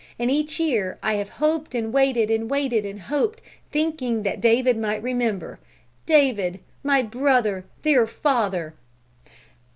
and each year I have hoped and waited and waited and hoped, thinking that David might remember. David! my brother, their father!